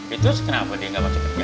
itu kenapa dia gak masuk kerja